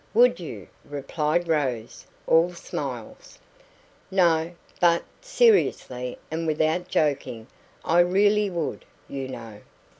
"Would you?" replied Rose, all smiles. "No, but, seriously and without joking, I really would, you know."